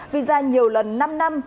visa nhiều lần năm năm